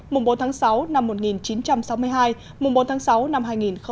mùng bốn tháng sáu năm một nghìn chín trăm sáu mươi hai mùng bốn tháng sáu năm hai nghìn hai mươi